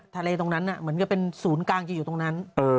ตรงนั้นเหมือนกับเป็นศูนย์กลางจะอยู่ตรงนั้น